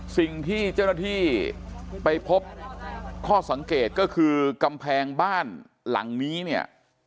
สิ่งที่เจ้าหน้าที่ไปพบข้อสังเกตก็คือกำแพงบ้านหลังนี้เนี่ย